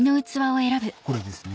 これですね。